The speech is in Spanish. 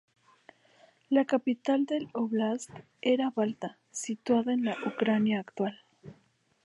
La capital del óblast era Balta, situada en la Ucrania actual.